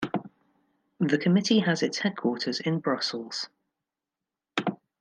The Committee has its headquarters in Brussels.